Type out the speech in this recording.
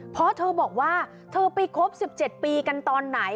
เพราะเธอบอกว่าเธอไปคบ๑๗ปีกันตอนไหน